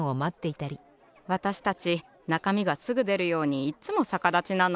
わたしたちなかみがすぐでるようにいっつもさかだちなの。